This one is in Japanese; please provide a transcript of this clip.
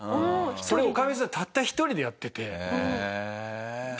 それを女将さんたった一人でやってて。